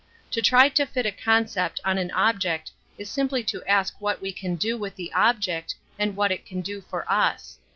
To try to fit a concept on an object is simply to ask what we can do with the object, and what it can do for us.